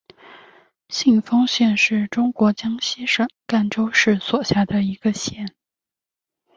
信丰县是中国江西省赣州市所辖的一个县。